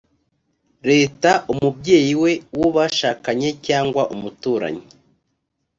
leta umubyeyi we uwo bashakanye cyangwa umuturanyi